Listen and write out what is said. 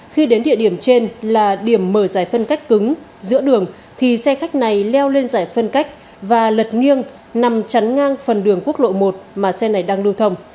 khi đến địa điểm trên là điểm mở giải phân cách cứng giữa đường thì xe khách này leo lên giải phân cách và lật nghiêng nằm chắn ngang phần đường quốc lộ một mà xe này đang lưu thông